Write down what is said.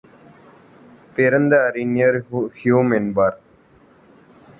பிறந்த அறிஞர் ஹ்யூம்என்பார்.